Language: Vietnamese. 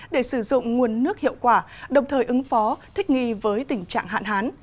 để sử dụng nguồn nước hiệu quả đồng thời ứng phó thích nghi với tình trạng hạn hán